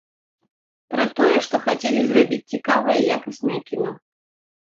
Пра тое, што хацелі зрабіць цікавае якаснае кіно.